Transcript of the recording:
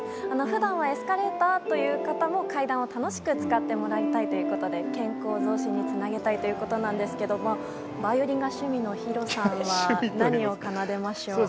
普段はエスカレーターという方も階段を楽しく使ってもらいたいということで健康増進につなげたいということですがバイオリンが趣味の弘さんは何を奏でましょう。